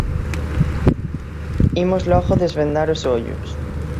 Imos logo desvendar os ollos.